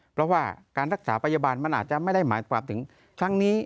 เพราะว่าการรักษาพยาบาลมันอาจจะไม่ได้หมายความถึงครั้งนี้